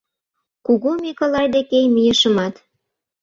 Кугу Миколай деке мийышымат